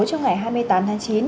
trong ngày hai mươi tám tháng chín